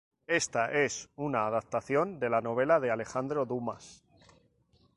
Ésta es una adaptación de la novela de Alejandro Dumas.